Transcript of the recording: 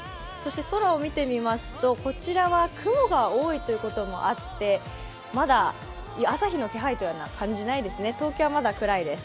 空を見てみますとこちらは雲が多いということもあってまだ朝日の気配というのは感じないですね、東京はまだ暗いです。